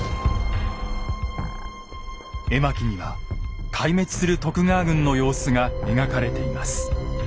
絵巻には壊滅する徳川軍の様子が描かれています。